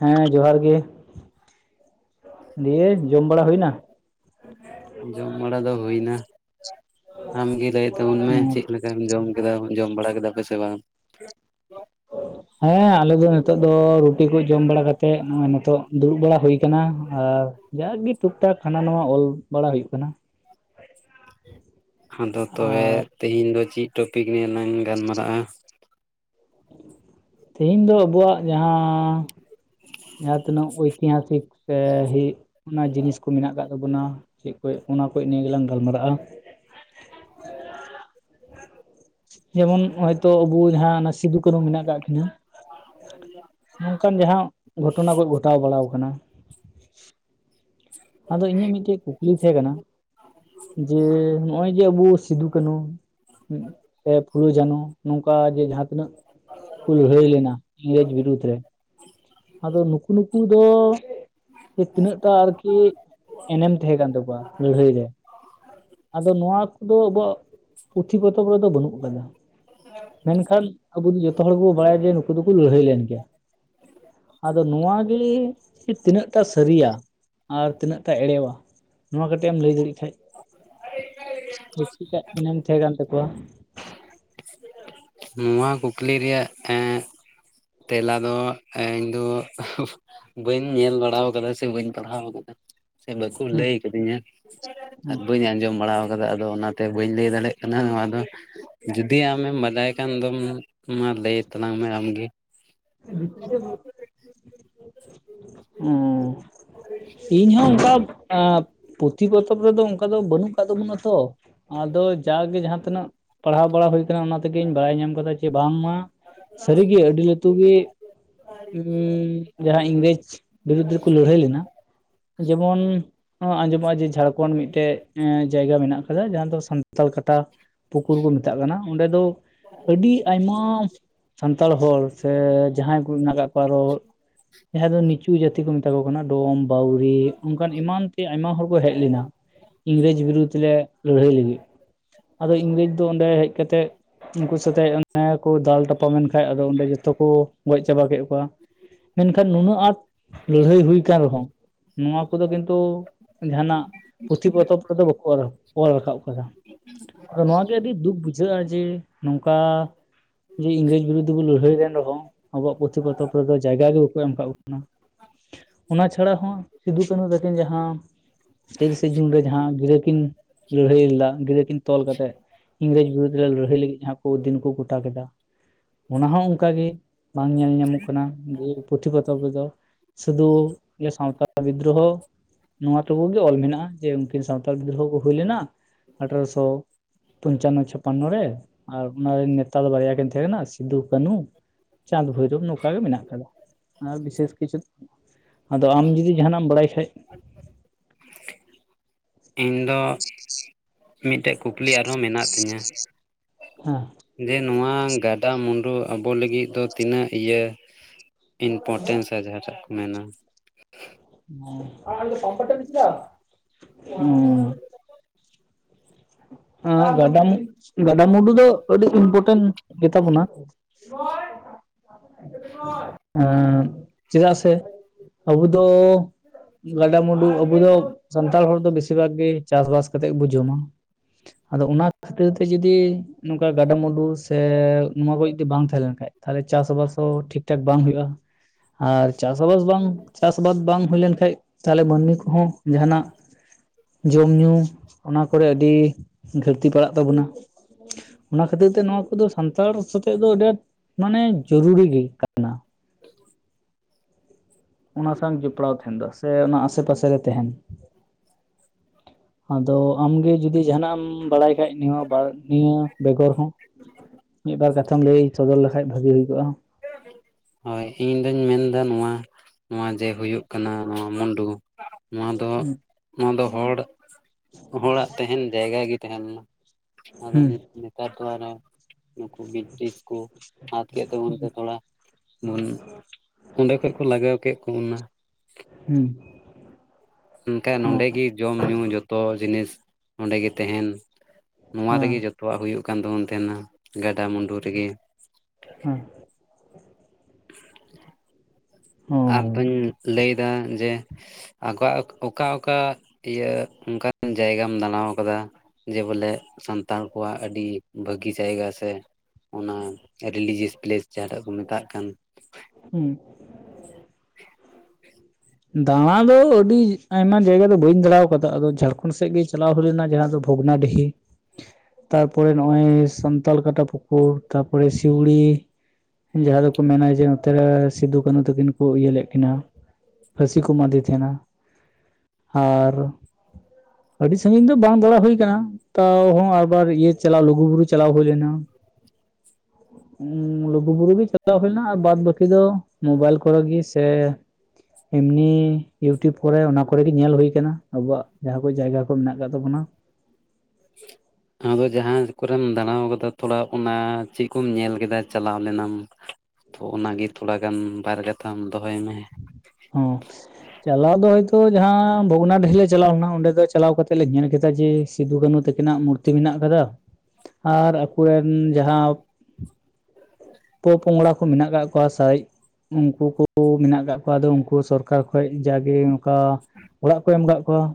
ᱦᱮᱸ ᱡᱚᱦᱟᱨ ᱜᱮ ᱫᱤᱭᱮ ᱡᱚᱢ ᱵᱟᱲᱟ ᱦᱩᱭᱱᱟ? ᱡᱚᱢ ᱵᱟᱲᱟ ᱫᱚ ᱦᱩᱭᱱᱟ ᱟᱢᱜᱮ ᱞᱟᱹᱭ ᱛᱟᱵᱚᱱ ᱢᱮ ᱪᱮᱫ ᱞᱮᱠᱟᱢ ᱡᱚᱢ ᱠᱮᱫᱟ ᱡᱚᱢ ᱵᱟᱲᱟ ᱠᱮᱫᱟ ᱯᱮ ᱥᱮ ᱵᱟᱝ? [unintelligible] ᱦᱮᱸ ᱟᱞᱮ ᱫᱚ ᱱᱤᱛᱚᱜ ᱫᱚ ᱨᱩᱴᱤ ᱠᱚ ᱡᱚᱢ ᱵᱟᱲᱟ ᱠᱟᱛᱮᱜ ᱱᱚᱜᱚᱭ ᱱᱤᱛᱚᱜ ᱫᱩᱲᱩᱵ ᱵᱟᱲᱟ ᱦᱩᱭ ᱟᱠᱟᱱᱟ, ᱟᱨ ᱡᱟᱜᱮ ᱴᱩᱠᱴᱟᱠ ᱦᱟᱱᱟ ᱱᱟᱣᱟ ᱚᱞ ᱵᱟᱲᱟ ᱦᱩᱭᱩᱜ ᱠᱟᱱᱟ᱾ ᱟᱫᱚ ᱛᱚᱵᱮ ᱟᱨ ᱛᱤᱦᱤᱧ ᱫᱚ ᱪᱮᱫ ᱴᱚᱯᱤᱠ ᱱᱤᱭᱮᱞᱟᱝ ᱜᱟᱞᱢᱟᱨᱟᱜ-ᱟ? ᱛᱤᱦᱤᱧ ᱫᱚ ᱟᱵᱚᱣᱟᱜ ᱡᱟᱦᱟᱸ ᱡᱟᱦᱟᱸ ᱛᱤᱱᱟᱜ ᱳᱭᱛᱤᱦᱟᱥᱤᱠ ᱥᱮ ᱦᱮ ᱚᱱᱟ ᱡᱤᱱᱤᱥ ᱠᱚ ᱢᱮᱱᱟᱜ ᱠᱟᱫ ᱛᱟᱵᱚᱱᱟ, ᱪᱮᱫ ᱠᱚᱡ ᱚᱱᱟ ᱠᱚᱡ ᱱᱤᱭᱟᱹ ᱜᱮᱞᱟᱝ ᱜᱟᱞᱢᱟᱨᱟᱜ-ᱟ᱾ ᱡᱮᱢᱚᱱ ᱦᱚᱳᱭᱛᱳ ᱟᱵᱚ ᱡᱟᱦᱟᱸ ᱚᱱᱟ ᱥᱤᱫᱩ ᱠᱟᱱᱩ ᱢᱮᱱᱟᱜ ᱠᱟᱜ ᱠᱤᱱᱟᱹ᱾ ᱱᱚᱝᱠᱟᱱ ᱡᱟᱦᱟᱸ ᱜᱷᱚᱴᱚᱱᱟ ᱠᱚ ᱜᱷᱚᱴᱟᱣ ᱵᱟᱲᱟᱣ ᱠᱟᱱᱟ᱾ ᱟᱫᱚ ᱤᱧᱟᱹᱜ ᱢᱤᱫᱴᱮᱡ ᱠᱩᱠᱞᱤ ᱛᱟᱦᱮᱸ ᱠᱟᱱᱟ ᱡᱮ ᱱᱚᱜ-ᱚᱭ ᱡᱮ ᱟᱵᱚ ᱥᱤᱫᱩ ᱠᱟᱹᱱᱩ ᱥᱮ ᱯᱷᱩᱞᱳ ᱡᱷᱟᱱᱚ ᱱᱚᱝᱠᱟ ᱡᱮ ᱡᱟᱦᱟᱸ ᱛᱤᱱᱟᱹᱜ ᱠᱩ ᱞᱟᱹᱲᱦᱟᱹᱭ ᱞᱮᱱᱟ ᱤᱝᱨᱮᱹᱡᱽ ᱵᱤᱨᱩᱫᱽ ᱨᱮ᱾ ᱟᱫᱚ ᱱᱩᱠᱩ ᱱᱩᱠᱩ ᱫᱚ ᱛᱤᱱᱟᱹᱜ-ᱴᱟ ᱟᱨᱠᱤ ᱮᱱᱮᱢ ᱛᱟᱦᱮᱸ ᱠᱟᱱ ᱛᱟᱠᱚᱣᱟ ᱞᱟᱹᱲᱦᱟᱹᱭ ᱨᱮ? ᱟᱫᱚ ᱱᱚᱣᱟ ᱠᱚᱫᱚ ᱟᱵᱚᱣᱟᱜ ᱯᱩᱛᱷᱤ ᱯᱚᱛᱚᱵ ᱠᱚ ᱨᱮᱫᱚ ᱵᱟᱹᱱᱩᱜ ᱠᱟᱫᱟ᱾ ᱢᱮᱱᱠᱷᱟᱱ ᱟᱵᱚ ᱫᱚ ᱡᱚᱛᱚ ᱦᱚᱲ ᱜᱮᱵᱚ ᱵᱟᱲᱟᱭᱟ ᱡᱮ ᱱᱩᱠᱩ ᱫᱚᱠᱚ ᱞᱟᱹᱲᱦᱟᱹᱭ ᱞᱮᱱ ᱜᱮᱭᱟ᱾ ᱟᱫᱚ ᱱᱚᱣᱟ ᱜᱮᱞᱮ ᱡᱮ ᱛᱤᱱᱟᱹᱜ-ᱴᱟ ᱥᱟᱹᱨᱤᱭᱟ? ᱟᱨ ᱛᱤᱱᱟᱹᱜ-ᱴᱟ ᱮᱲᱮᱣᱟ ᱱᱚᱣᱟ ᱠᱟᱹᱴᱤᱡ ᱮᱢ ᱞᱟᱹᱭ ᱫᱟᱲᱮᱭᱟᱜ ᱠᱷᱟᱡ᱾ ᱪᱷᱟᱛᱤᱠᱟᱜ ᱮᱱᱮᱢ ᱛᱟᱦᱮᱸᱠᱟᱱ ᱛᱟᱠᱚᱣᱟ᱾ [unintelligible] ᱱᱚᱣᱟ ᱠᱩᱠᱞᱤ ᱨᱮᱭᱟᱜ ᱮᱸᱜ ᱛᱮᱞᱟ ᱫᱚ ᱤᱧᱫᱚ ᱵᱟᱹᱧ ᱧᱮᱞ ᱵᱟᱲᱟᱣ ᱠᱟᱫᱟ ᱥᱮ ᱵᱟᱹᱧ ᱯᱟᱲᱦᱟᱣ ᱠᱟᱫᱟ᱾ ᱥᱮ ᱵᱟᱠᱚ ᱦᱩᱸ ᱞᱟᱹᱭ ᱠᱟᱫᱤᱧᱟ ᱦᱩᱸ ᱟᱨ ᱵᱟᱹᱧ ᱟᱸᱡᱚᱢ ᱵᱟᱲᱟᱣ ᱠᱟᱫᱟ, ᱟᱫᱚ ᱚᱱᱟᱛᱮ ᱵᱟᱹᱧ ᱞᱟᱹᱭ ᱫᱟᱲᱮᱭᱟᱜ ᱠᱟᱱᱟ ᱱᱚᱣᱟ ᱫᱚ᱾ ᱡᱩᱫᱤ ᱟᱢᱮᱢ ᱵᱟᱰᱟᱭ ᱮᱱᱠᱷᱟᱱ ᱫᱚᱢ ᱢᱟ, ᱢᱟ ᱞᱟᱹᱭ ᱛᱟᱞᱟᱝ ᱢᱮ ᱟᱢᱜᱮ᱾ ᱩᱸ, ᱚ᱾ ᱤᱧᱦᱚᱸ ᱚᱱᱠᱟ ᱮᱸᱻ ᱯᱩᱛᱷᱤ ᱯᱚᱛᱚᱵ ᱨᱮᱫᱚ ᱚᱱᱠᱟ ᱫᱚ ᱵᱟᱹᱱᱩᱜ ᱟᱠᱟᱫ ᱛᱟᱵᱚᱱᱟ ᱛᱚ ᱟᱫᱚ ᱡᱟᱜᱮ ᱡᱟᱦᱟᱸ ᱛᱤᱱᱟᱹᱜ ᱯᱟᱲᱦᱟᱣ ᱵᱟᱲᱟ ᱦᱩᱭ ᱠᱟᱱᱟ, ᱚᱱᱟ ᱛᱮᱜᱤᱧ ᱵᱟᱲᱟᱭ ᱧᱟᱢ ᱠᱟᱫᱟ ᱡᱮ ᱵᱟᱝᱢᱟ ᱥᱟᱹᱨᱤᱜᱮ ᱟᱹᱰᱤ ᱞᱟᱴ ᱡᱚᱛᱚ ᱜᱮ ᱩᱸᱻ ᱡᱟᱦᱟᱸ ᱤᱝᱨᱮᱹᱡᱽ ᱵᱤᱨᱩᱫᱽ ᱨᱮᱠᱚ ᱞᱟᱹᱲᱦᱟᱹᱭ ᱞᱮᱱᱟ᱾ ᱡᱮᱢᱚᱱ ᱟᱸᱡᱚᱢᱚᱜ-ᱟ ᱡᱮ ᱡᱷᱟᱲᱠᱷᱚᱱᱰ ᱢᱤᱫᱴᱮᱡ ᱡᱟᱭᱜᱟ ᱢᱮᱱᱟᱜ ᱠᱟᱫᱟ ᱡᱟᱦᱟᱸ ᱫᱚ ᱥᱟᱱ ᱥᱟᱱᱛᱟᱲ ᱠᱟᱴᱟ ᱯᱩᱠᱩᱨ ᱠᱚ ᱢᱮᱛᱟᱜ ᱠᱟᱱᱟ ᱚᱸᱰᱮ ᱫᱚ ᱟᱹᱰᱤ ᱟᱭᱢᱟᱻ ᱥᱟᱱᱛᱟᱲ ᱦᱚᱲ ᱥᱮ ᱡᱟᱦᱟᱸᱭ ᱠᱚ ᱢᱮᱱᱟᱜ ᱠᱟᱫ ᱠᱚᱣᱟ ᱟᱨᱚ ᱡᱟᱦᱟᱸᱭ ᱫᱚ ᱱᱤᱪᱩ ᱡᱟᱹᱛ ᱡᱟᱛᱤ ᱠᱚ ᱢᱮᱛᱟ ᱠᱚ ᱠᱟᱱᱟ᱾ ᱰᱚᱢ, ᱵᱟᱟᱹᱣᱨᱤ ᱚᱝᱠᱟᱱ ᱮᱢᱟᱱ ᱛᱮ ᱟᱭᱢᱟ ᱦᱚᱲ ᱠᱚ ᱦᱮᱡ ᱞᱮᱱᱟ᱾ ᱤᱝᱨᱮᱹᱡᱽ ᱵᱤᱨᱩᱫᱽ ᱨᱮ ᱞᱟᱹᱲᱦᱟᱹᱭ ᱞᱟᱹᱜᱤᱫ, ᱟᱫᱚ ᱤᱝᱨᱮᱹᱡᱽ ᱫᱚ ᱚᱸᱰᱮ ᱦᱮᱡ ᱠᱟᱛᱮᱫ ᱩᱱᱠᱩ ᱥᱟᱛᱮᱜ ᱚᱱᱟ ᱠᱚ ᱫᱟᱞ ᱛᱟᱯᱟᱢᱮᱱ ᱠᱷᱟᱡ ᱟᱫᱚ ᱚᱸᱰᱮ ᱜᱮ ᱡᱚᱛᱚ ᱠᱚ ᱜᱚᱡ ᱪᱟᱵᱟ ᱠᱮᱫ ᱠᱚᱣᱟ᱾ ᱢᱮᱱᱠᱷᱟᱱ ᱱᱩᱱᱟᱹᱜ ᱟᱸᱴ ᱞᱟᱹᱲᱦᱟᱹᱭ ᱦᱩᱭ ᱠᱟᱱ ᱨᱮᱦᱚᱸ ᱱᱚᱣᱟ ᱠᱚᱫᱚ ᱠᱤᱱᱛᱩ ᱡᱟᱸᱦᱟᱱᱟᱜ ᱯᱩᱛᱷᱤ ᱯᱚᱛᱚᱵ ᱨᱮᱫᱚ ᱵᱟᱠᱚ ᱚᱞ, ᱚᱞ ᱨᱟᱠᱟᱵ ᱠᱟᱫᱟ᱾ ᱟᱫᱚ ᱱᱚᱣᱟ ᱜᱮ ᱟᱹᱰᱤ ᱫᱩᱠ ᱵᱩᱡᱷᱟᱹᱜ ᱡᱷᱟᱹᱜ-ᱟ ᱡᱮ ᱱᱚᱝᱠᱟ ᱡᱮ ᱤᱝᱨᱮᱹᱡᱽ ᱵᱤᱨᱩᱫᱽ ᱵᱚ ᱞᱟᱹᱲᱦᱟᱹᱭ ᱞᱮᱱ ᱨᱮᱦᱚᱸ ᱟᱵᱚᱣᱟᱜ ᱯᱩᱛᱷᱤ ᱯᱚᱛᱚᱵ ᱨᱮᱫᱚ ᱡᱟᱭᱜᱟ ᱜᱮ ᱵᱟᱠᱚ ᱮᱢ ᱠᱟᱜ ᱵᱚᱱᱟ᱾ ᱚᱱᱟ ᱪᱷᱟᱲᱟ ᱦᱚᱸ ᱥᱤᱫᱩ ᱠᱟᱹᱱᱩ ᱛᱟᱹᱠᱤᱱ ᱡᱟᱦᱟᱸ ᱛᱤᱨᱤᱥᱮ ᱡᱩᱱ ᱨᱮ ᱡᱟᱦᱟᱸ ᱜᱤᱨᱟᱹ ᱠᱤᱱ ᱞᱟᱹᱲᱦᱟᱹᱭ ᱞᱮᱫᱟ ᱜᱤᱨᱟᱹ ᱠᱤᱱ ᱛᱚᱞ ᱠᱟᱛᱮᱫ ᱤᱝᱨᱮᱹᱡᱽ ᱵᱤᱨᱩᱫᱽ ᱨᱮ ᱞᱟᱹᱲᱦᱟᱹᱭ ᱞᱟᱹᱜᱤᱫ ᱡᱟᱦᱟᱸ ᱠᱚ ᱫᱤᱱ ᱠᱚ ᱜᱚᱴᱟ ᱠᱮᱫᱟ ᱚᱱᱟ ᱦᱚᱸ ᱚᱝᱠᱟᱜ ᱜᱮ, ᱵᱟᱝ ᱧᱮᱞ ᱧᱟᱢᱚᱜ ᱠᱟᱱᱟ ᱡᱮ ᱯᱩᱛᱷᱤ ᱯᱚᱛᱚᱵ ᱨᱮᱫᱚ᱾ ᱥᱩᱫᱩ ᱤᱭᱟᱹ ᱥᱟᱶᱛᱟᱞ ᱵᱤᱫᱽᱫᱨᱳᱦᱚ᱾ ᱱᱚᱣᱟ ᱛᱟᱵᱩᱜ ᱜᱮ ᱚᱞ ᱢᱮᱱᱟᱜᱼᱟ ᱡᱮ ᱩᱱᱠᱤᱱ ᱥᱟᱶᱟᱱᱛᱟᱞ ᱵᱤᱫᱽᱨᱳᱦᱚ ᱠᱚ ᱦᱩᱭ ᱞᱮᱱᱟ ᱟᱴᱨᱚᱥᱚᱼᱼ ᱯᱚᱧᱪᱟᱱᱱᱚ ᱪᱷᱟᱯᱟᱱᱱᱚ ᱨᱮ ᱟᱨ ᱚᱱᱟ ᱨᱮᱱ ᱱᱮᱛᱟ ᱫᱚ ᱵᱟᱨᱭᱟ ᱠᱤᱱ ᱛᱟᱦᱮᱸ ᱠᱟᱱᱟ ᱥᱤᱫᱩ ᱠᱟᱹᱱᱩ ᱪᱟᱸᱫᱽ ᱵᱷᱳᱭᱨᱳᱵ ᱱᱚᱝᱠᱟ ᱜᱮ ᱢᱮᱱᱟᱜ ᱟᱠᱟᱫᱟ ᱟᱨ ᱵᱤᱥᱮᱥ ᱠᱤᱪᱷᱩ ᱟᱫᱚ ᱟᱢ ᱡᱩᱫᱤ ᱡᱟᱦᱟᱱᱟᱜ ᱮᱢ ᱵᱟᱲᱟᱭ ᱠᱷᱟᱡ ᱤᱧ ᱫᱚ ᱢᱤᱫᱴᱮᱡ ᱠᱩᱠᱞᱤ ᱟᱨᱦᱚᱸ ᱢᱮᱱᱟᱜ ᱛᱤᱧᱟᱹ ᱦᱮᱸ ᱡᱮ ᱱᱚᱣᱟ ᱜᱟᱰᱟ ᱢᱩᱸᱰᱩ ᱟᱵᱚ ᱞᱟᱹᱜᱤᱫ ᱫᱚ ᱛᱤᱱᱟᱹᱜ ᱤᱭᱟᱹᱼᱼ ᱤᱱᱯᱚᱨᱴᱮᱱᱥ ᱥᱮ ᱡᱟᱦᱟᱸᱴᱟᱜ ᱠᱚ ᱢᱮᱱᱟ [unintelligible] ᱦᱚᱸ ᱜᱟᱰᱟ ᱜᱟᱰᱟ ᱢᱩᱰᱩ ᱫᱚ ᱟᱹᱰᱤ ᱤᱢᱯᱚᱨᱴᱮᱱᱴ ᱜᱮᱛᱟ ᱵᱚᱱᱟ [unintelligible] ᱮᱸ ᱪᱮᱫᱟᱜ ᱥᱮ ᱟᱵᱩ ᱫᱚᱼᱼ ᱜᱟᱰᱟᱼᱢᱩᱰᱩ ᱟᱵᱚ ᱫᱚ ᱥᱟᱱᱛᱟᱲ ᱦᱚᱲ ᱫᱚ ᱵᱮᱥᱤᱨ ᱵᱷᱟᱜ ᱜᱮ ᱪᱟᱥ ᱵᱟᱥ ᱠᱟᱛᱮᱜ ᱜᱮᱵᱩ ᱡᱚᱢᱟ ᱟᱫᱚ ᱚᱱᱟ ᱠᱷᱟᱹᱛᱤᱨ ᱛᱮ ᱡᱚᱫᱤ ᱱᱚᱝᱠᱟ ᱜᱟᱰᱟ ᱢᱩᱰᱩ ᱥᱮ ᱱᱚᱣᱟ ᱠᱚ ᱡᱩᱫᱤ ᱵᱟᱝ ᱛᱟᱦᱮᱸ ᱞᱮᱱ ᱠᱷᱟᱡ ᱛᱟᱦᱚᱞᱮ ᱪᱟᱥ ᱵᱟᱥ ᱦᱚᱸ ᱴᱷᱤᱠ ᱴᱷᱟᱠ ᱵᱟᱝ ᱦᱳᱭᱳᱜᱼᱟ ᱟᱨ ᱪᱟᱥ ᱵᱟᱥ ᱵᱟᱝ ᱪᱟᱥ ᱟᱵᱟᱫ ᱵᱟᱝ ᱦᱩᱭ ᱞᱮᱱ ᱠᱷᱟᱡ ᱛᱟᱦᱚᱞᱮ ᱢᱟᱹᱱᱢᱤ ᱠᱚᱦᱚᱸ ᱡᱟᱦᱟᱱᱟᱜ ᱡᱚᱢ ᱧᱩ ᱚᱱᱟ ᱠᱚᱨᱮ ᱟᱹᱰᱤᱼᱼ ᱜᱟᱹᱞᱛᱤ ᱯᱟᱲᱟᱜ ᱛᱟᱵᱚᱱᱟ ᱚᱱᱟ ᱠᱷᱟᱹᱛᱤᱨ ᱛᱮ ᱱᱚᱣᱟ ᱠᱚᱫᱚ ᱥᱟᱱᱛᱟᱲ ᱥᱟᱛᱮ ᱫᱚ ᱟᱹᱰᱤ ᱟᱸᱴ ᱢᱟᱱᱮ ᱡᱚᱨᱩᱨᱤ ᱜᱮ ᱠᱟᱱᱟ [inaudible] ᱚᱱᱟ ᱥᱟᱝ ᱡᱚᱯᱲᱟᱣ ᱛᱟᱦᱮᱸᱱ ᱫᱚ ᱥᱮ ᱚᱱᱟ ᱟᱥᱮ ᱯᱟᱥᱮ ᱨᱮ ᱛᱟᱦᱮᱱ ᱟᱫᱚ ᱟᱢᱜᱮ ᱡᱩᱫᱤ ᱡᱟᱦᱟᱱᱟᱜ ᱮᱢᱼᱼ ᱵᱟᱲᱟᱭ ᱠᱷᱟᱡ ᱱᱤᱭᱟᱹ ᱵᱟᱨ ᱱᱤᱭᱟᱹ ᱵᱮᱜᱚᱨ ᱦᱚᱸ ᱢᱤᱫ ᱵᱟᱨ ᱠᱟᱛᱷᱟᱢ ᱞᱟᱹᱭ ᱥᱚᱫᱚᱨ ᱞᱮᱠᱷᱟᱱᱼᱼ ᱠᱷᱟᱡ ᱵᱷᱟᱹᱜᱤ ᱦᱩᱭ ᱠᱚᱜᱼᱟ ᱦᱳᱭ ᱤᱧ ᱫᱩᱧ ᱢᱮᱱᱫᱟ ᱱᱚᱣᱟᱼᱼ ᱱᱚᱣᱟ ᱡᱮ ᱦᱩᱭᱩᱜ ᱠᱟᱱᱟ ᱱᱚᱣᱟ ᱢᱩᱱᱰᱩᱼᱼ ᱱᱚᱣᱟ ᱫᱚ ᱦᱩᱸ ᱱᱚᱣᱟ ᱫᱚ ᱦᱚᱲ ᱦᱚᱲᱟᱜ ᱛᱟᱦᱮᱸᱱ ᱡᱟᱭᱜᱟ ᱜᱮ ᱛᱟᱦᱮᱸ ᱞᱮᱱᱟ ᱟᱫᱚ ᱦᱩᱸ ᱱᱮ ᱱᱮᱛᱟᱨ ᱠᱚᱲᱟ ᱫᱚ [unintelligible] ᱱᱩᱠᱩ ᱵᱨᱤᱴᱤᱥ ᱠᱚ ᱦᱟᱛ ᱠᱮᱫ ᱛᱟᱵᱚᱱ ᱛᱮᱼᱼ [unintelligible] ᱚᱸᱰᱮ ᱠᱷᱚᱡ ᱠᱚ ᱞᱟᱜᱟᱣ ᱠᱮᱫ [unintelligible] ᱦᱩᱸ ᱢᱮᱱᱠᱟᱡ ᱱᱚᱸᱰᱮᱜᱤ ᱡᱚᱢ ᱧᱩ ᱡᱷᱚᱛᱚ ᱡᱤᱱᱤᱥ ᱱᱚᱸᱰᱮ ᱜᱮ ᱛᱟᱦᱮᱸᱱ ᱱᱚᱣᱟ ᱦᱮᱸ ᱨᱮᱜᱮ ᱡᱚᱛᱚᱣᱟᱜ ᱦᱩᱭᱩᱜ ᱠᱟᱱ ᱛᱟᱵᱚᱱ ᱛᱟᱦᱮᱸᱱᱟ ᱜᱟᱰᱟᱼᱢᱩᱰᱩ ᱨᱤᱜᱤ᱾ ᱦᱩᱸ ᱦᱚᱸ ᱟᱫᱚᱧ ᱞᱟᱹᱭᱫᱟ ᱡᱮ, ᱟᱠᱚᱣᱟᱜ ᱚᱠᱟ ᱚᱠᱟ ᱤᱭᱟᱹ ᱚᱱᱠᱟᱱ ᱡᱟᱭᱜᱟᱢ ᱫᱟᱸᱬᱟ ᱟᱠᱟᱫᱟ ᱡᱮ ᱵᱚᱞᱮ ᱥᱟᱱᱛᱟᱲ ᱠᱚᱣᱟᱜ ᱟᱹᱰᱤ ᱵᱷᱟᱹᱜᱤ ᱡᱟᱭᱜᱟ ᱥᱮᱼᱼ ᱚᱱᱟ ᱨᱤᱞᱤᱡᱮᱥ ᱯᱞᱮᱥ ᱡᱟᱦᱟᱸᱴᱟᱜ ᱠᱚ ᱢᱮᱛᱟᱜ ᱠᱟᱱ ᱦᱩᱸ [inaudible] ᱫᱟᱸᱬᱟ ᱫᱚ ᱟᱹᱰᱤ ᱟᱭᱢᱟ ᱡᱟᱭᱜᱟ ᱫᱚ ᱵᱟᱹᱧ ᱫᱟᱬᱟ ᱟᱠᱟᱫᱟ ᱟᱫᱚ ᱡᱷᱟᱲᱠᱷᱚᱸᱰ ᱥᱮᱫ ᱜᱤ ᱪᱟᱞᱟᱣ ᱦᱩᱭ ᱞᱮᱱᱟ ᱡᱟᱦᱟᱸ ᱫᱚ ᱵᱷᱚᱜᱽᱱᱟᱰᱤᱦᱤ ᱛᱟᱨᱯᱚᱨᱮ ᱱᱚᱜᱼᱚᱭ ᱥᱟᱱᱛᱟᱲ ᱠᱟᱴᱟ ᱯᱩᱠᱩᱨ ᱛᱟ ᱯᱚᱨᱮ ᱥᱤᱣᱲᱤ ᱡᱟᱦᱟᱸ ᱫᱚᱠᱚ ᱢᱮᱱᱟ ᱡᱮ ᱱᱚᱛᱮᱨᱮ ᱥᱤᱫᱩ ᱠᱟᱹᱱᱩ ᱛᱟᱹᱠᱤᱱ ᱠᱚ ᱤᱭᱟᱹ ᱞᱮᱫ ᱠᱤᱱᱟ ᱯᱷᱟᱹᱥᱤ ᱠᱚ ᱮᱢᱟᱫᱮ ᱛᱟᱦᱮᱸᱱᱟ ᱟᱨ ᱟᱹᱰᱤ ᱥᱟᱺᱜᱤᱧ ᱫᱚ ᱵᱟᱝ ᱫᱟᱲᱟ ᱦᱩᱭ ᱟᱠᱟᱱᱟ ᱛᱟᱣ ᱦᱚᱸ ᱟᱵᱟᱨ ᱤᱭᱟᱹᱼᱼ ᱪᱟᱞᱟᱣ ᱞᱩᱜᱩ ᱵᱩᱨᱩ ᱪᱟᱞᱟᱣ ᱦᱩᱭ ᱞᱮᱱᱟ ᱞᱩᱜᱩ ᱵᱩᱨᱩ ᱜᱮᱼᱼ ᱪᱟᱞᱟᱣ ᱦᱩᱭ ᱞᱮᱱᱟ ᱟᱨ ᱵᱟᱫᱽ ᱵᱟᱹᱠᱤ ᱫᱚ, ᱢᱳᱵᱟᱭᱤᱞ ᱠᱚᱨᱮ ᱜᱤ ᱥᱮ ᱤᱢᱱᱤ ᱤᱭᱩᱴᱤᱭᱩᱵᱽ ᱠᱚᱨᱮ ᱚᱱᱟ ᱠᱚᱨᱮᱜᱤ ᱧᱮᱞ ᱦᱳᱭ ᱠᱟᱱᱟ, ᱟᱵᱩᱣᱟᱜ ᱡᱟᱦᱟᱸ ᱠᱚ ᱡᱟᱭᱜᱟ ᱠᱚ ᱢᱮᱱᱟᱜ ᱠᱟᱫ ᱛᱟᱵᱚᱱᱟ᱾ [inaudible] [inaudible] ᱟᱫᱚ ᱡᱟᱦᱟᱸ ᱠᱚᱨᱮᱢ ᱫᱟᱬᱟᱣ ᱠᱟᱫᱟ, ᱛᱷᱚᱲᱟ ᱚᱱᱟ ᱪᱮᱫ ᱠᱚᱢ ᱧᱮᱞ ᱠᱮᱫᱟ ᱪᱟᱞᱟᱣ ᱞᱮᱱᱟᱢ? ᱛᱷᱚ ᱚᱱᱟᱜᱮ ᱛᱷᱚᱲᱟ ᱜᱟᱱ, ᱵᱟᱨ ᱠᱟᱛᱷᱟᱢ ᱫᱚᱦᱚᱭ ᱢᱮ᱾ ᱦᱚᱸ ᱪᱟᱞᱟᱣ ᱫᱚ ᱦᱚᱳᱭᱛᱚ ᱡᱟᱦᱟᱸ ᱵᱷᱚᱜᱽᱱᱟᱰᱤᱦᱤ ᱞᱮ, ᱪᱟᱞᱟᱣ ᱞᱮᱱᱟ ᱚᱸᱰᱮ ᱫᱚ ᱪᱟᱞᱟᱣ ᱠᱟᱛᱮᱜ ᱞᱮ ᱧᱮᱞ ᱠᱮᱫᱟ ᱡᱮ ᱥᱤᱫᱩ ᱠᱟᱹᱱᱩ ᱛᱟᱹᱠᱤᱱᱟᱜ ᱢᱩᱨᱛᱤ ᱢᱮᱱᱟᱜ ᱠᱟᱫᱟ, ᱟᱨ ᱟᱠᱚᱨᱮᱱ ᱡᱟᱦᱟᱸ ᱯᱚᱼᱯᱚᱝᱲᱟ ᱠᱚ ᱢᱮᱱᱟᱜ ᱠᱟᱜ ᱠᱚᱣᱟ, ᱥᱟᱨᱮᱡ ᱩᱱᱠᱩ ᱠᱚ ᱢᱮᱱᱟᱜ ᱠᱟᱜ ᱠᱚᱣᱟ᱾ ᱟᱫᱚ ᱩᱱᱠᱩ ᱥᱚᱨᱠᱟᱨ ᱠᱷᱚᱡ ᱡᱟᱜᱮ, ᱚᱱᱠᱟ ᱚᱲᱟᱜ ᱠᱚ ᱮᱢ ᱠᱟᱫ ᱠᱚᱣᱟ।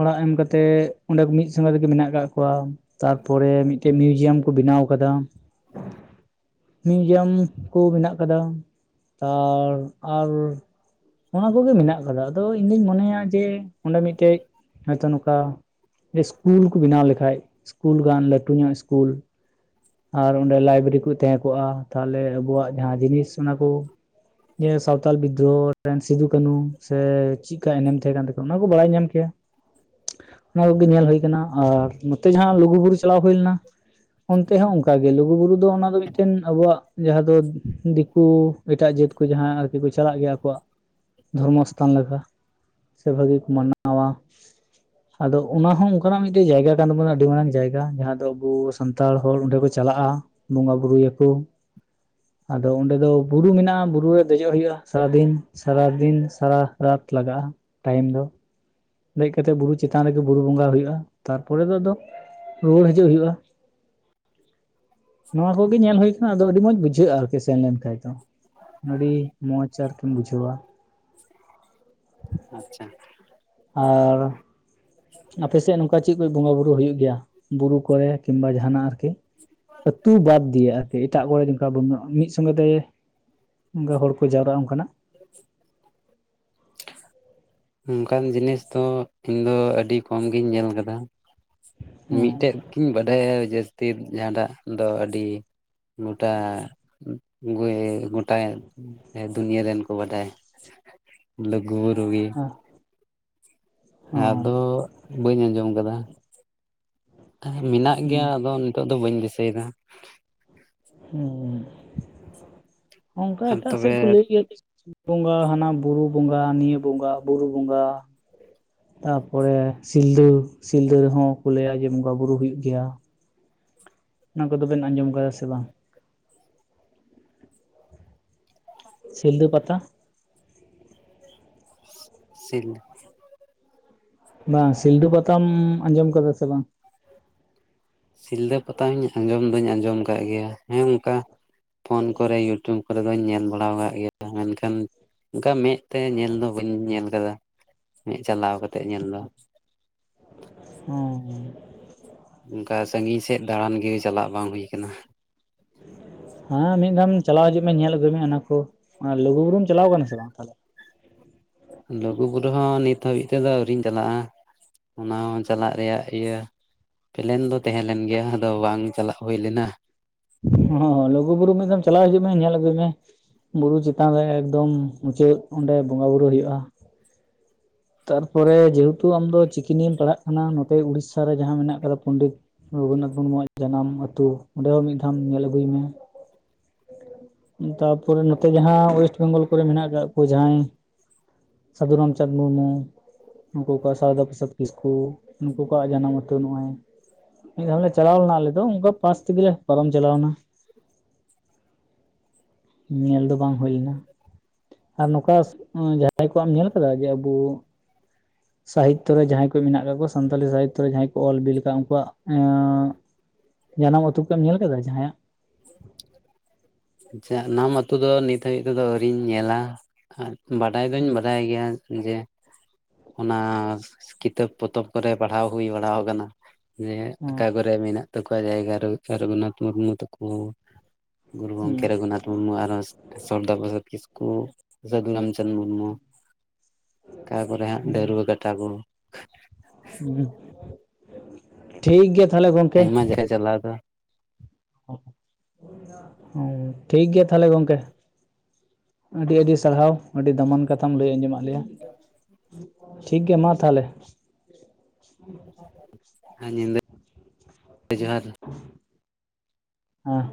ᱚᱲᱟᱜ ᱮᱢ ᱠᱟᱛᱮᱫ ᱚᱸᱰᱮ ᱢᱤᱫ ᱥᱚᱸᱜᱮ, ᱛᱮᱜᱮ ᱢᱮᱱᱟᱜ ᱠᱟᱜ ᱠᱚᱣᱟ। ᱛᱟᱨᱯᱚᱨᱮ ᱢᱤᱫᱴᱮᱱ ᱢᱤᱭᱩᱡᱤᱭᱟᱢ ᱠᱚ, ᱵᱮᱱᱟᱣ ᱠᱟᱫᱟ। [inaudible] [inaudible] ᱢᱤᱭᱩᱡᱤᱭᱟᱢ ᱠᱚ ᱢᱮᱱᱟᱜ ᱠᱟᱫᱟ, ᱟᱨ ᱟᱨ ᱚᱱᱟ ᱠᱚᱜᱮ ᱢᱮᱱᱟᱜ ᱠᱟᱫᱟ, ᱟᱫᱚ ᱤᱧ ᱫᱩᱧ ᱢᱚᱱᱮᱭᱟ ᱡᱮ ᱚᱸᱰᱮ ᱢᱤᱫᱴᱮᱡ ᱦᱚᱭᱛᱚ ᱱᱚᱝᱠᱟ ᱤᱥᱠᱩᱞ ᱠᱚ ᱵᱮᱱᱟᱣ ᱞᱮᱠᱷᱟᱡ, ᱤᱥᱠᱩᱞ ᱜᱟᱱ ᱞᱟᱹᱴᱩ ᱧᱚᱜ ᱤᱥᱠᱩᱞ ᱟᱨ ᱚᱸᱰᱮ ᱞᱟᱭᱵᱨᱤ ᱠᱚ ᱛᱟᱦᱮᱸ ᱠᱚᱜᱼᱟ ᱛᱟᱦᱚᱞᱮ ᱟᱵᱚᱣᱟᱜ ᱡᱟᱦᱟᱸ ᱡᱤᱱᱤᱥ ᱚᱱᱟ ᱠᱚ ᱡᱮ ᱥᱟᱣᱛᱟᱞ ᱵᱤᱫᱽᱫᱨᱳᱦᱚ ᱨᱮᱱ ᱥᱤᱫᱩ ᱠᱟᱹᱱᱩ, ᱥᱮ ᱪᱮᱜ ᱠᱟ ᱮᱱᱮᱢ ᱛᱟᱸᱦᱮ ᱠᱟᱱ ᱛᱟᱠᱚᱣᱟ, ᱚᱱᱟ ᱠᱚ ᱵᱟᱲᱟᱭ ᱧᱟᱢ ᱠᱮᱭᱟ। ᱚᱱᱟ ᱠᱚᱜᱮ ᱧᱮᱞ ᱦᱩᱳᱭ ᱠᱟᱱᱟ ᱟᱨ ᱱᱚᱛᱮ ᱡᱟᱸᱦᱟ ᱞᱩᱜᱩ ᱵᱩᱨᱩ ᱪᱟᱞᱟᱣ ᱦᱩᱭ ᱞᱮᱱᱟ, ᱚᱱᱛᱮ ᱦᱚᱸ ᱚᱱᱠᱟ ᱜᱮ ᱞᱩᱜ ᱞᱩᱜᱩ ᱵᱩᱨᱩ ᱫᱚ, ᱚᱱᱟ ᱫᱚ ᱢᱤᱫᱴᱮᱱ ᱟᱵᱩᱣᱟᱜ ᱡᱟᱸᱦᱟ ᱫᱚ ᱫᱤᱠᱩ ᱮᱴᱟᱜ ᱡᱟᱹᱛ ᱠᱚ ᱠᱩ ᱡᱟᱸᱦᱟᱭ ᱟᱨᱠᱤ ᱠᱚ ᱪᱟᱞᱟᱜ ᱜᱮᱭᱟ ᱠᱚ, ᱫᱷᱚᱨᱢᱚᱥᱛᱷᱟᱱ ᱞᱮᱠᱟ। ᱥᱮ ᱵᱷᱟᱹᱜᱤ ᱠᱚ ᱢᱟᱱᱟᱣ-ᱟ। ᱟᱫᱚ ᱚᱱᱟ ᱦᱚᱸ ᱚᱱᱠᱟᱱᱟᱜ ᱢᱤᱫᱴᱮᱱ ᱡᱟᱭᱜᱟ ᱠᱟᱱ ᱛᱟᱵᱚᱱᱟ, ᱟᱹᱰᱤ ᱢᱟᱨᱟᱝ ᱡᱟᱭᱜᱟ ᱡᱟᱸᱦᱟ ᱫᱚ ᱟᱵᱚ ᱥᱟᱱᱛᱟᱲ ᱦᱚᱲ ᱚᱸᱰᱮ ᱠᱚ ᱪᱟᱞᱟᱜᱼᱟ। ᱵᱚᱸᱜᱟ ᱵᱩᱨᱩᱭᱟᱠᱚ, ᱟᱫᱚ ᱚᱸᱰᱮ ᱫᱚ ᱵᱩᱨᱩ ᱢᱮᱱᱟᱜᱼᱟ ᱵᱩ ᱵᱩᱨᱩ ᱨᱮ ᱫᱮᱡᱚᱜ ᱦᱳᱭᱳᱜᱼᱟ, ᱥᱟᱨᱟ ᱫᱤᱱ, ᱥᱟᱨᱟ ᱫᱤᱱ ᱥᱟᱨᱟ ᱨᱟᱛ ᱞᱟᱜᱟᱜᱼᱟ ᱴᱟᱭᱤᱢ ᱫᱚ। ᱫᱮᱡ ᱠᱟᱛᱮᱜ ᱵᱩᱨᱩ ᱪᱮᱛᱟᱱ ᱨᱮᱜᱮ, ᱵᱩᱨᱩ ᱵᱚᱸᱜᱟ ᱦᱩᱭᱩᱜᱼᱟ, ᱛᱟᱨᱯᱚᱨᱮ ᱫᱚ ᱟᱫᱚ ᱨᱩᱣᱟᱹᱲ ᱦᱤᱡᱩᱜ ᱦᱩᱭᱩᱜᱼᱟ। ᱱᱚᱣᱟ ᱠᱚᱜᱮ ᱧᱮᱞ ᱦᱳᱭ ᱠᱟᱱᱟ, ᱟᱫᱚ ᱟᱹᱰᱤ ᱢᱚᱸᱡᱽ ᱵᱩᱡᱷᱟᱹᱜᱼᱟ ᱟᱨᱠᱤ। ᱥᱮᱱ ᱞᱮᱱ ᱠᱷᱟᱡ ᱫᱚ, ᱟᱹᱰᱤ ᱢᱚᱡᱽ ᱟᱨᱠᱤᱢ ᱵᱩᱡᱷᱟᱹᱣ-ᱟ। ᱟᱪᱪᱷᱟ। ᱟᱨ ᱟᱯᱮᱥᱮᱫ ᱱᱚᱝᱠᱟ ᱪᱮᱫ ᱠᱚ ᱵᱚᱸᱜᱟ ᱵᱩᱨᱩ ᱦᱩᱭᱩᱜ ᱜᱮᱭᱟ, ᱵᱩᱨᱩ ᱠᱚᱨᱮ ᱠᱤᱢᱵᱟ ᱡᱟᱦᱱᱟᱜ ᱟᱨᱠᱤ? ᱟᱨᱠᱤ? ᱟᱹᱛᱩ ᱵᱟᱫ ᱫᱤᱭᱮ ᱟᱨ ᱠᱤ। ᱮᱴᱟᱜ ᱠᱚᱨᱮ ᱚᱱᱠᱟ ᱵᱚᱸᱜᱟ, ᱢᱤᱫ ᱥᱚᱸᱜᱮᱛᱮ ᱚᱱᱠᱟ ᱦᱚᱲ ᱠᱚ ᱡᱟᱣᱨᱟᱜᱼᱟ ᱚᱱᱠᱟᱱᱟᱜ? ᱚᱝᱠᱟᱱ ᱡᱤᱱᱤᱥ ᱫᱚ ᱤᱧ ᱫᱚ, ᱟᱹᱰᱤ ᱠᱚᱢ ᱜᱤᱧ ᱧᱮᱞ ᱠᱟᱫᱟ ᱦᱮᱸ ᱢᱤᱫᱴᱮᱡ ᱠᱤᱧ ᱵᱟᱰᱟᱭᱟ ᱡᱟᱹᱥᱛᱤ ᱡᱟᱸᱦᱟᱴᱟᱜ ᱫᱚ ᱟᱹᱰᱤ ᱢᱚᱴᱟ ᱜᱚᱭᱦᱮᱸ ᱜᱚᱴᱟ ᱫᱩᱱᱤᱭᱟᱹ ᱨᱮᱱ ᱠᱚ ᱵᱟᱰᱟᱭᱟ। ᱞᱩᱜᱩ-ᱵᱩᱨᱩ ᱜᱤ। ᱚ ᱦᱮᱸ ᱟᱫᱚ ᱵᱟᱹᱧ ᱟᱸᱡᱚᱢ ᱠᱟᱫᱟ, ᱢᱮᱱᱟᱜ ᱜᱮᱭᱟ ᱦᱩᱸ ᱟᱫᱚ ᱱᱤᱛᱚᱜ ᱫᱚ ᱵᱟᱹᱧ ᱫᱤᱥᱟᱹᱭ ᱫᱟ? ᱦᱮᱸ, ᱚᱱᱠᱟ ᱟᱨ ᱮᱴᱟᱜ ᱥᱮᱫ ᱠᱚ ᱛᱚᱵᱮ ᱞᱟᱹᱭ ᱜᱮᱭᱟ ᱵᱚᱸᱜᱟ, ᱦᱟᱱᱟ ᱵᱩᱨᱩ ᱵᱚᱸᱜᱟ, ᱱᱤᱭᱟᱹ ᱵᱚᱸᱜᱟ, ᱵᱩᱨᱩ ᱵᱚᱸᱜᱟ। ᱛᱟ ᱯᱚᱨᱮ ᱥᱤᱞᱫᱟᱹ ᱥᱤᱞᱫᱟᱹ ᱨᱮᱦᱚᱸ ᱠᱚ, ᱞᱟᱹᱭᱟ ᱡᱮ ᱵᱚᱸᱜᱟ ᱵᱩᱨᱩ ᱦᱩᱭᱩᱜ ᱜᱮᱭᱟ। ᱚᱱᱟ ᱠᱚᱫᱚ ᱵᱮᱱ ᱟᱸᱡᱚᱢ ᱠᱟᱫᱟ ᱥᱮ ᱵᱟᱝ? ᱥᱤᱞᱫᱟᱹ ᱯᱟᱛᱟ᱾ ᱥᱤᱞ [unintelligible] ᱵᱟᱝ, ᱥᱤᱞᱫᱟᱹ ᱯᱟᱛᱟᱢ ᱟᱸᱡᱚᱢ ᱟᱠᱟᱫᱟ ᱥᱮ ᱵᱟᱝ? ᱥᱤᱞᱫᱟᱹ ᱯᱟᱛᱟ ᱦᱚᱧ ᱟᱸᱡᱚᱢ ᱫᱩᱧ ᱟᱸᱡᱚᱢ ᱟᱠᱟᱫ ᱜᱮᱭᱟ ᱾ ᱦᱮᱸ ᱚᱱᱠᱟ, ᱯᱷᱳᱱ ᱠᱚᱨᱮ ᱤᱭᱩᱴᱩᱵᱽᱼᱼ ᱠᱚᱨᱮ ᱫᱚᱧ ᱧᱮᱞ ᱵᱟᱲᱟ ᱟᱠᱟᱫ ᱜᱮᱭᱟ᱾ ᱢᱮᱱᱠᱷᱟᱱ ᱚᱱᱠᱟ ᱢᱮᱫ ᱛᱮ ᱧᱮᱞ ᱫᱚ, ᱵᱟᱹᱧ ᱧᱮᱞ ᱟᱠᱟᱫᱟ᱾ [unintelligible] ᱪᱟᱞᱟᱣ ᱠᱟᱛᱮᱜ ᱧᱮᱞ ᱫᱚ᱾ ᱦᱚᱸ ᱾ ᱚᱱᱠᱟ ᱥᱟᱹᱜᱤᱧ ᱥᱮᱫ ᱫᱟᱲᱟᱱ ᱜᱮ ᱪᱟᱞᱟᱜ ᱵᱟᱝ ᱦᱩᱭ ᱟᱠᱟᱱᱟ᱾ ᱦᱮᱸ, ᱢᱤᱫ ᱫᱷᱟᱣᱟᱢ ᱪᱟᱞᱟᱣ ᱦᱤᱡᱩᱜ ᱢᱮ ᱧᱮᱞ ᱟᱹᱜᱩᱭ ᱢᱮ ᱚᱱᱟ ᱠᱚ᱾ ᱞᱩᱜᱩ ᱵᱩᱨᱩᱢ ᱪᱟᱞᱟᱣ ᱟᱠᱟᱱᱟ ᱥᱮ ᱵᱟᱝ ᱛᱟᱦᱚᱞᱮ? ᱞᱩᱜᱩᱵᱩᱨᱩ ᱦᱚᱸ ᱱᱤᱛ ᱦᱟᱹᱵᱤᱡ ᱛᱮᱫᱚ ᱟᱹᱣᱨᱤᱧ ᱪᱟᱞᱟᱜᱼᱟ᱾ ᱚᱱᱟ ᱦᱚᱸ ᱪᱟᱞᱟᱜ ᱨᱮᱭᱟᱜ ᱤᱭᱟᱹ ᱯᱮᱞᱮᱱ ᱫᱚ ᱛᱟᱦᱮᱸ ᱞᱮᱱ ᱜᱮᱭᱟ ᱟᱫᱚ ᱵᱟᱝ ᱪᱟᱞᱟᱜ ᱦᱳᱭ ᱞᱮᱱᱟ᱾ ᱚ ᱦᱚᱸ ᱞᱩᱜᱩ ᱵᱩᱨᱩ ᱢᱤᱫ ᱫᱷᱟᱢ ᱪᱟᱞᱟᱣ ᱦᱤᱡᱩᱜ ᱢᱮ, ᱧᱮᱞ ᱟᱹᱜᱩᱭ ᱢᱮ᱾ ᱵᱩᱨᱩ ᱪᱮᱛᱟᱱ ᱨᱮ ᱮᱠᱫᱚᱢ ᱢᱩᱪᱟᱹᱫ, ᱚᱸᱰᱮ ᱵᱚᱸᱜᱟ ᱵᱩᱨᱩ ᱦᱩᱭᱩᱜᱼᱟ᱾ ᱛᱟᱨᱯᱚᱨᱮ ᱡᱮᱦᱮᱛᱩ ᱟᱢᱫᱚ ᱪᱤᱠᱤ ᱱᱤᱭᱟᱹᱢ ᱯᱟᱲᱦᱟᱜ ᱠᱟᱱᱟ᱾ ᱱᱚᱛᱮ ᱩᱲᱤᱥᱥᱟ ᱨᱮ ᱡᱟᱦᱟᱸ ᱢᱮᱱᱟᱜ ᱟᱠᱟᱫᱟ᱾ ᱯᱚᱱᱰᱤᱛᱼᱼ ᱨᱚᱜᱷᱩᱱᱟᱛᱷ ᱢᱩᱨᱢᱩᱣᱟᱜ ᱡᱟᱱᱟᱢ ᱟᱹᱛᱩ ᱾ ᱚᱸᱰᱮ ᱦᱚᱸ ᱢᱤᱫ ᱫᱷᱟᱢ ᱧᱮᱞ ᱟᱹᱜᱩᱭ ᱢᱮ᱾ ᱛᱟᱯᱚᱨᱮ ᱱᱚᱛᱮ ᱡᱟᱦᱟᱸ ᱚᱭᱮᱥᱴ ᱵᱮᱝᱜᱚᱞ ᱠᱚᱨᱮ ᱢᱮᱱᱟᱜ ᱟᱠᱟᱜ ᱠᱚ ᱡᱟᱦᱟᱸᱭᱼᱼ ᱥᱟᱹᱫᱷᱩ ᱨᱟᱢᱪᱟᱸᱫᱽ ᱢᱩᱨᱢᱩ ᱩᱱᱠᱩ ᱠᱚᱣᱟᱜ ᱥᱟᱨᱚᱫᱟ ᱯᱨᱚᱥᱟᱫᱽ ᱠᱤᱥᱠᱩ᱾ ᱩᱱᱠᱩ ᱠᱚᱣᱟᱜ ᱡᱟᱱᱟᱢ ᱟᱹᱛᱩ ᱱᱚᱜᱼᱚᱭ᱾ ᱢᱤᱫ ᱫᱷᱟᱣ ᱞᱮ ᱪᱟᱞᱟᱣ ᱞᱮᱱᱟ ᱟᱞᱮ ᱫᱚ᱾ ᱚᱱᱠᱟ ᱯᱟᱥ ᱛᱮᱜᱮ ᱯᱟᱨᱚᱢ ᱪᱟᱞᱟᱣ ᱮᱱᱟ᱾ ᱧᱮᱞ ᱫᱚ ᱵᱟᱝ ᱦᱳᱭ ᱞᱮᱱᱟ ᱾ ᱟᱨ ᱱᱚᱝᱠᱟ ᱡᱟᱦᱟᱸᱭ ᱠᱚᱣᱟᱜ ᱮᱢ ᱧᱮᱞ ᱟᱠᱟᱫᱟ ᱡᱮ, ᱟᱵᱩᱼᱼ ᱥᱟᱦᱤᱛᱛᱚ ᱨᱮ ᱡᱟᱦᱟᱸᱭ ᱠᱚ ᱢᱮᱱᱟᱜ ᱠᱟᱜ ᱠᱚᱣᱟ ᱾ᱥᱟᱱᱛᱟᱞᱤ ᱥᱟᱦᱤᱛᱛᱚ ᱨᱮ ᱡᱟᱦᱟᱸᱭ ᱠᱚ ᱚᱞ ᱵᱤᱞ ᱟᱠᱟᱫ ᱩᱱᱠᱩᱣᱟᱜ [unintelligible] ᱡᱟᱱᱟᱢ ᱟᱹᱛᱩ ᱠᱚᱢ ᱧᱮᱞ ᱟᱠᱟᱫᱟ ᱡᱟᱦᱟᱸᱭᱟᱜ? [inaudible] ᱡᱟᱱᱟᱢ ᱟᱛᱳ ᱫᱚ ᱱᱤᱛ ᱦᱟᱹᱵᱤᱡ ᱛᱮᱫᱚ ᱟᱹᱣᱨᱤᱧ ᱧᱮᱞᱟ ᱾ ᱟᱨ ᱵᱟᱰᱟᱭ ᱫᱚᱧ, ᱵᱟᱰᱟᱭ ᱜᱮᱭᱟ᱾ ᱡᱮ ᱚᱱᱟ ᱠᱤᱛᱟᱹᱵ ᱯᱚᱛᱚᱵ ᱠᱚᱨᱮ ᱯᱟᱲᱦᱟᱣ ᱦᱩᱭ ᱵᱟᱲᱟᱣ ᱠᱟᱱᱟ᱾ ᱡᱮ ᱟᱠᱟ ᱠᱚᱨᱮ ᱢᱮᱱᱟᱜ ᱛᱟᱠᱚᱣᱟ ᱡᱟᱭᱜᱟ [unintelligible] ᱨᱚᱜᱷᱩᱱᱟᱛᱷ ᱢᱩᱨᱢᱩ ᱛᱟᱠᱚᱼᱼ ᱜᱩᱨᱩ ᱜᱚᱝᱠᱮ ᱨᱚᱜᱷᱩᱱᱟᱛᱷ ᱢᱩᱨᱢᱩ ᱟᱨᱚ ᱥᱟᱨᱫᱟ ᱯᱨᱚᱥᱟᱫᱽ ᱠᱤᱥᱠᱩ, ᱥᱟᱹᱫᱷᱩ ᱨᱟᱢᱪᱟᱸᱫᱽ ᱢᱩᱨᱢᱩ᱾ ᱛᱟᱨᱯᱚᱨᱮ ᱦᱟᱸᱜ ᱰᱟᱹᱨᱣᱟᱹ [unintelligible] ᱠᱟᱴᱟ ᱠᱚ᱾ ᱴᱷᱤᱠ ᱜᱮᱭᱟ ᱛᱟᱦᱞᱮ ᱜᱚᱝᱠᱮ᱾ ᱦᱮᱸ ᱪᱟᱞᱟᱣ ᱠᱟᱱᱟ᱾ [unintelligible] ᱴᱷᱤᱠ ᱜᱮᱭᱟ ᱛᱟᱦᱞᱮ ᱜᱚᱝᱠᱮ᱾ ᱟᱹᱰᱤ, ᱟᱹᱰᱤ ᱥᱟᱨᱦᱟᱣ᱾ ᱟᱹᱰᱤ ᱫᱟᱢᱟᱱ ᱠᱟᱛᱷᱟᱢ ᱞᱟᱹᱭ ᱟᱸᱡᱚᱢᱟᱜᱼᱼ [unintelligible] ᱴᱷᱤᱠ ᱜᱮᱭᱟ ᱢᱟ ᱛᱟᱦᱚᱞᱮ᱾ ᱦᱮᱸ ᱧᱤᱫᱟᱹ [inaudible] ᱡᱚᱦᱟᱨ ᱦᱮᱸ᱾